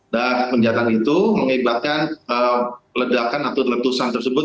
nah penjataan itu mengibatkan ledakan atau letusan tersebut